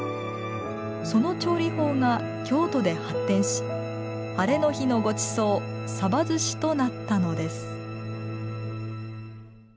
その調理法が京都で発展しハレの日のごちそうさばずしとなったのです。